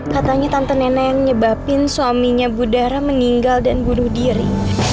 katanya tante nena yang nyebapin suaminya budara meninggal dan bunuh diri